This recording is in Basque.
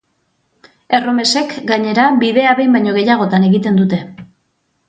Erromesek, gainera, bidea behin baino gehiagotan egiten dute.